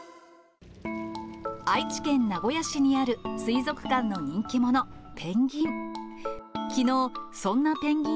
愛知県名古屋市にある水族館の人気者、ペンギン。